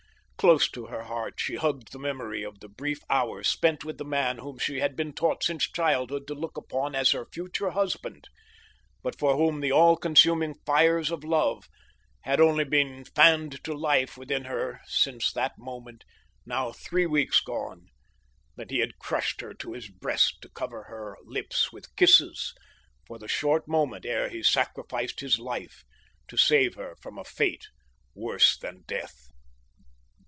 Close to her heart she hugged the memory of the brief hours spent with the man whom she had been taught since childhood to look upon as her future husband, but for whom the all consuming fires of love had only been fanned to life within her since that moment, now three weeks gone, that he had crushed her to his breast to cover her lips with kisses for the short moment ere he sacrificed his life to save her from a fate worse than death.